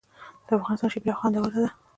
د افغانستان شیرپیره خوندوره ده